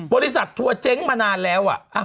๑บริษัททัวร์เจ๊งมานานแล้วอ่า